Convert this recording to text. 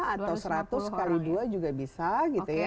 atau seratus kali dua juga bisa gitu ya